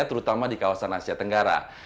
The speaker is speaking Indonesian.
terutama di kawasan asia tenggara